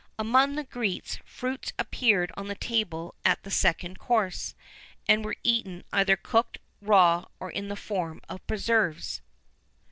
Among the Greeks, fruits appeared on table at the second course;[XI 13] and were eaten either cooked, raw, or in the form of preserves.